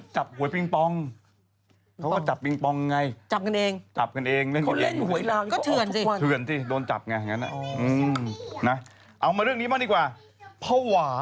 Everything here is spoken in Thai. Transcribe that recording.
จับรูปบิ๊กบองกันเองแล้ว